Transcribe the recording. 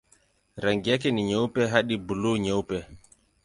Rangi yake ni nyeupe hadi buluu-nyeupe.